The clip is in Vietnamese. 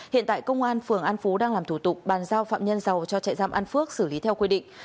hiện tại công an phường an phú đang làm thủ tục bàn giao phạm nhân dầu cho trại giam an phước xử lý theo quy định